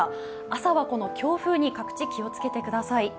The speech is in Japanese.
朝はこの強風に各地気をつけてください。